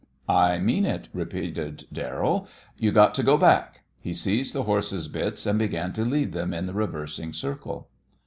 "I mean it," repeated Darrell. "You got to go back." He seized the horses' bits and began to lead them in the reversing circle.